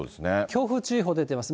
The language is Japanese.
強風注意報出てます。